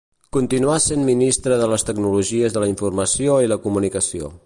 Continuà sent Ministra de les Tecnologies de la Informació i la Comunicació.